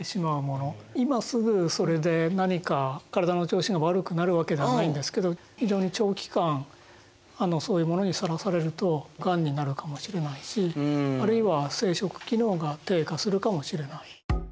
今すぐそれで何か体の調子が悪くなるわけではないんですけど非常に長期間そういうものにさらされるとガンになるかもしれないしあるいは生殖機能が低下するかもしれない。